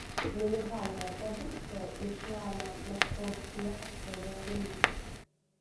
Нелегальная прадукцыя ішла на маскоўскія аптовыя рынкі.